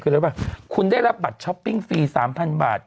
คือแล้วครับคุณได้รับบัตรช็อปปิงฟรี๓๐๐๐บาท